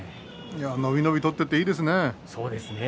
伸び伸び取っていていいですね。